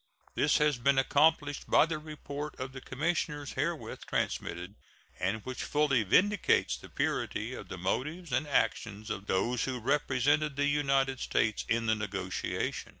This has been accomplished by the report of the commissioners herewith transmitted, and which fully vindicates the purity of the motives and action of those who represented the United States in the negotiation.